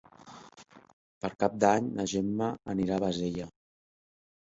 Per Cap d'Any na Gemma anirà a Bassella.